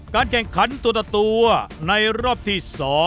การแข่งขันตัวในรอบที่๒